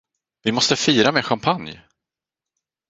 Vi måste fira med champagne!